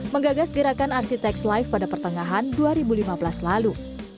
menggagas gerakan arsiteks live pada pertengahan dua ribu lima belas lalu